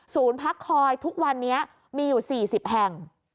พักคอยทุกวันนี้มีอยู่๔๐แห่ง